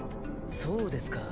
そうですか。